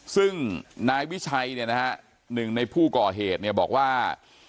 ซึ่งนายวิชัยเนี่ยนะฮะหนึ่งในผู้ก่อเหตุเนี่ยบอกว่า